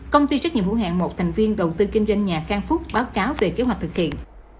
công ty trách nhiệm hữu hạng một thành viên đầu tư kinh doanh nhà khang phúc báo cáo về kế hoạch thực hiện